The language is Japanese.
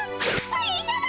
プリンさま！